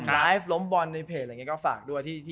ไลฟ์ล้มบอลในเพจอะไรอย่างนี้ก็ฝากด้วย